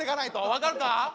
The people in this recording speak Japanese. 分かるか？